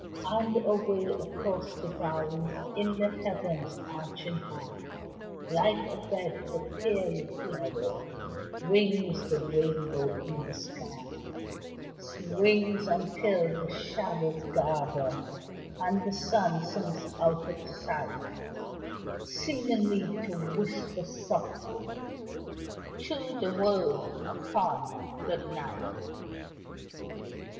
And away across the valley In the heavens arching high, Like a bed for fairy flowers Swings the rainbow in the sky Swings until the shadows gather And the sun sinks out of sight, Seemingly to whisper softly To the world a fond good night.